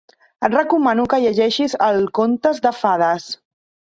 Et recomano que llegeixis els Contes de fades.